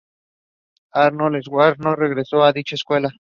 Arnold Schwarzenegger no regresó a dicha secuela.